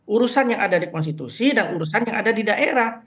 urusan yang ada di konstitusi dan urusan yang ada di daerah